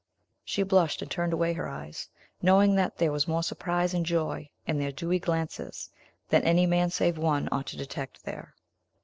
She blushed, and turned away her eyes, knowing that there was more surprise and joy in their dewy glances than any man save one ought to detect there.